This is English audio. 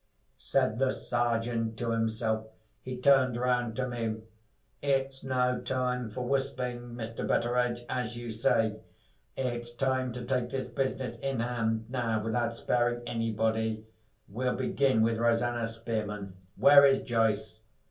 said the Sergeant to himself. He turned round to me. "It's no time for whistling, Mr. Betteredge, as you say. It's time to take this business in hand, now, without sparing anybody. We'll begin with Rosanna Spearman. Where is Joyce?"